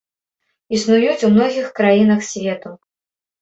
Існуюць у многіх краінах свету.